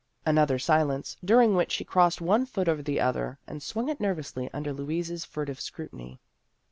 Another silence, during which she crossed one foot over the other, and swung it nervously under Louise's furtive scrutiny.